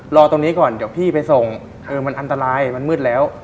รอตรงนี้ก่อนเดี๋ยวพี่ไปส่งเออมันอันตรายมันมืดแล้ว